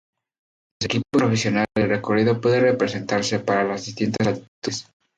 En los equipos profesionales el recorrido puede representarse para las distintas latitudes.